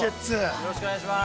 ◆よろしくお願いします。